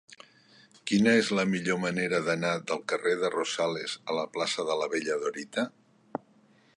Quina és la millor manera d'anar del carrer de Rosales a la plaça de la Bella Dorita?